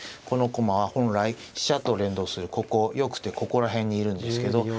この駒は本来飛車と連動するここよくてここら辺にいるんですけど。